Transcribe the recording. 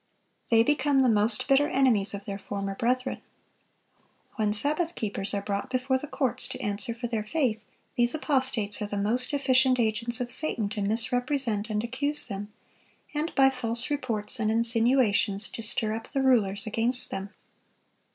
They become the most bitter enemies of their former brethren. When Sabbath keepers are brought before the courts to answer for their faith, these apostates are the most efficient agents of Satan to misrepresent and accuse them, and by false reports and insinuations to stir up the rulers against them.